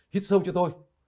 hít sâu cho thôi